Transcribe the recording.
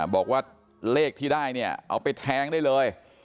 บอกว่าเลขที่ได้เนี่ยเอาไปแทงได้เลย